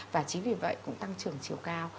và chính vì vậy tăng trưởng chiều cao